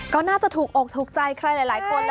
ก็น่าจะถูกอกถูกใจใครหลายคน